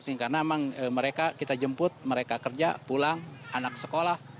karena memang mereka kita jemput mereka kerja pulang anak sekolah